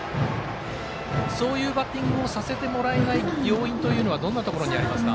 そういうバッティングをさせてもらえない要因はどんなところにありますか？